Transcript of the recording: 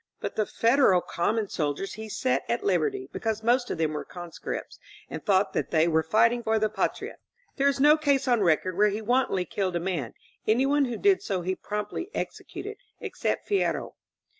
But the Fed* eral common soldiers he set at liberty because most of them were conscripts, and thought that they were fighting for the Fatria. There is no case on record where he wantonly killed a man. Anyone who did so he promptly executed — except Fierro.